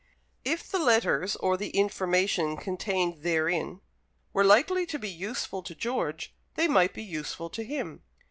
If the letters or the information contained therein were likely to be useful to George, they might be useful to him.